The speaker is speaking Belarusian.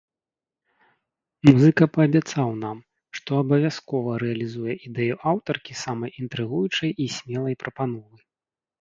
Музыка паабяцаў нам, што абавязкова рэалізуе ідэю аўтаркі самай інтрыгуючай і смелай прапановы.